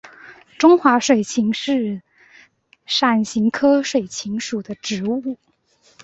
中华水芹是伞形科水芹属的植物。